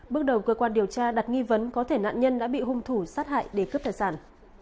bước đầu cơ quan điều tra đặt nghi vấn có thể nạn nhân đã bị hung thủ sát hại để cướp tài sản